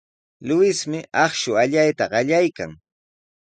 Luismi akshu allayta qallaykan.